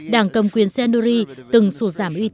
đảng cầm quyền sae nuri từng sụt ra